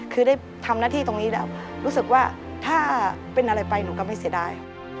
คือได้ทำหน้าที่ตรงนี้แล้วรู้สึกว่าถ้าเป็นอะไรไปหนูก็ไม่เสียดาย